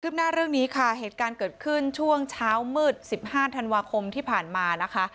หน้าเรื่องนี้ค่ะเหตุการณ์เกิดขึ้นช่วงเช้ามืดสิบห้าธันวาคมที่ผ่านมานะคะ